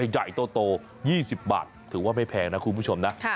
ใหญ่โต๒๐บาทถือว่าไม่แพงนะคุณผู้ชมนะ